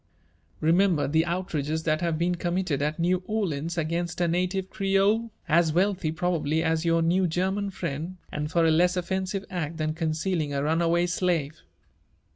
Remember the outrages that have been committed at New Orleans against a native Creole, as wealthy probably as your new Ger man friend, and for a less offensive act than concealing a runaway slave.